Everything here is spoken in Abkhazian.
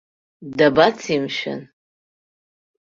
Дабацеи, мшәан!